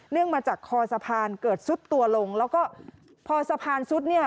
มาจากคอสะพานเกิดซุดตัวลงแล้วก็พอสะพานซุดเนี่ย